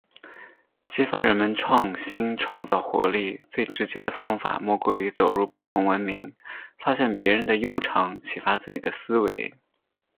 激发人们创新创造活力，最直接的方法莫过于走入不同文明，发现别人的优长，启发自己的思维。